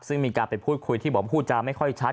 ซึ่งมีการไปพูดคุยที่บอกพูดจาไม่ค่อยชัด